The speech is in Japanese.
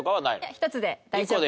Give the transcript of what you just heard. １つで大丈夫と。